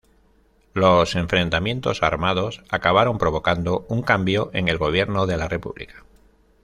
Los enfrentamientos armados acabaron provocando un cambio en el Gobierno de la República.